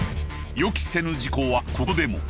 予期せぬ事故はここでも。